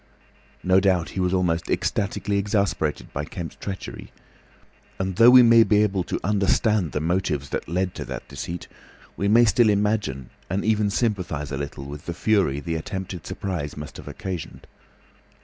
No doubt he was almost ecstatically exasperated by Kemp's treachery, and though we may be able to understand the motives that led to that deceit, we may still imagine and even sympathise a little with the fury the attempted surprise must have occasioned.